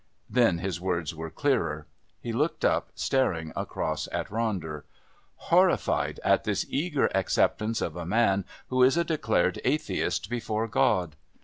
Then his words were clearer. He looked up, staring across at Ronder. "Horrified at this eager acceptance of a man who is a declared atheist before God."